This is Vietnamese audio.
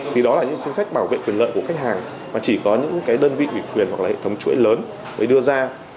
thì đó là những chính sách bảo vệ quyền lợi của khách hàng mà chỉ có những cái đơn vị ủy quyền hoặc là hệ thống chuỗi lớn mới đưa ra